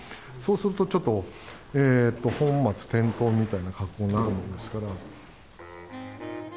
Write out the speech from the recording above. そうするとちょっと本末転倒みたいな格好になるものですから。